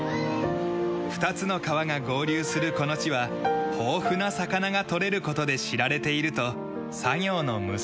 ２つの川が合流するこの地は豊富な魚が取れる事で知られていると作業の娘さん。